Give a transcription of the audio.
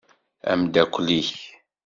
Amdakel-ik.